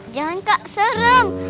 jangan kak serem